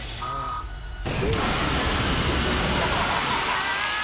あ！